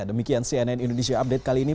demikian cnn indonesia update kali ini